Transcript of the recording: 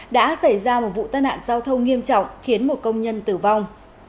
đã xảy ra một vụ tai nạn giao thông nghiêm trọng khiến một công nhân tử vong